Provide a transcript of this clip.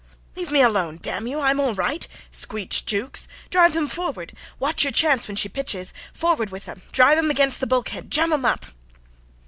"Leave me alone damn you. I am all right," screeched Jukes. "Drive them forward. Watch your chance when she pitches. Forward with 'em. Drive them against the bulkhead. Jam 'em up."